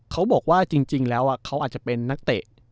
เขาบอกว่าจริงแล้วเขาอาจจะเป็นนักเตะ